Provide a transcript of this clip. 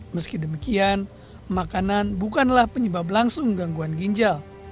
meski demikian makanan bukanlah penyebab langsung gangguan ginjal